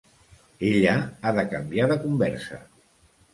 Ella ha de canviar de conversa.